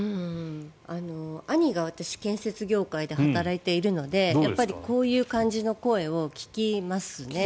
兄が建設業界で働いているのでこういう感じの声を聞きますね。